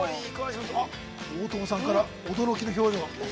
◆あ、大友さんから驚きの表情が。